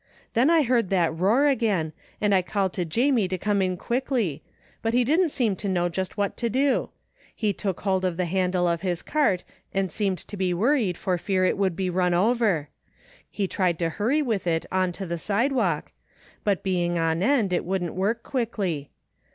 Then I heard that roar again and I called to Jamie to come in quickly, but he didn't seem to know just what to do. He took hold of the handle of his cart and seemed to be worried for fear it would be rim over. He tried to hiury with it on to the side walk, but being on end it wouldn't work quickly.